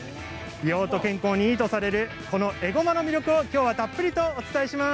美容と健康にいいとされるこのえごまの魅力を今日はたっぷりとお伝えします。